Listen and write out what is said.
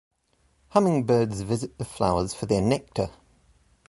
Hummingbirds visit the flowers for their nectar.